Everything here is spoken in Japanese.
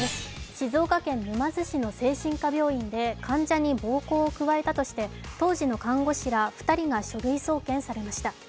静岡県沼津市の精神科病院で、患者に暴行を加えたとして当時の看護師ら２人が書類送検されました。